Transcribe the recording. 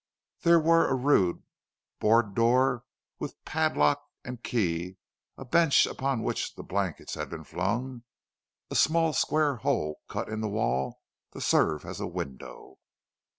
There were a rude board door with padlock and key, a bench upon which blankets had been flung, a small square hole cut in the wall to serve as a window.